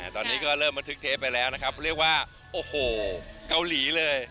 ตอนนี้ก็เริ่มบันทึกเทปไปแล้วนะครับเรียกว่าโอ้โหเกาหลีเลย